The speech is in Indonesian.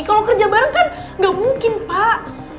kalau kerja bareng kan nggak mungkin pak